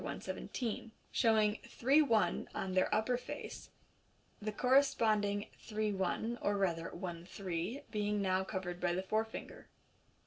117, showing "three one" on their upper face; the corresponding "three one," or rather " one three," being now covered by the forefinger.